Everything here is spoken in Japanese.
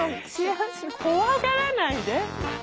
怖がらないで。